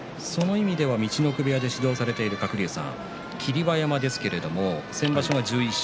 陸奥部屋で指導されている鶴竜さん、霧馬山ですが先場所、１１勝。